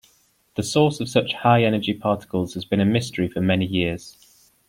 The source of such high energy particles has been a mystery for many years.